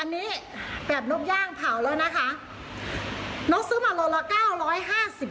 อันนี้แบบนกย่างเผาแล้วนะคะนอกซื้อมาลงละแก้าร้อย๕๐